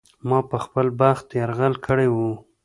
ما په خپل بخت یرغل کړی و.